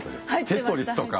「テトリス」とか。